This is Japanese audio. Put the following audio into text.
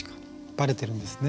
バレてるんですね